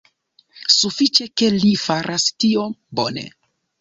Sufiĉe ke li faras tio bone.